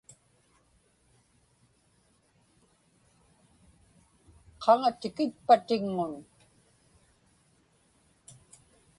Qaŋa tikitpa tiŋŋun?